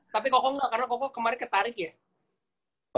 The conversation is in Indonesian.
karena kok kemarin ketarik ya